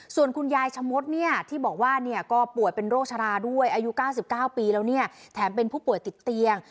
ส่วนคุณยายชะมดเนี่ยที่บอกว่าก็ป่วยเป็นโรคชราด้วยอายุ๙๙ปีแล้วเนี่ยแถมเป็นผู้ป่วยติดเตียง